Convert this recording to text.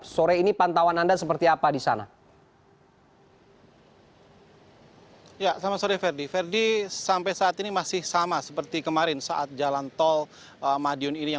sore ini pantauan anda seperti apa di sana